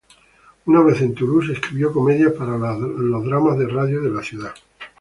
Una vez en Toulouse, escribió comedias para los dramas de radio de la ciudad.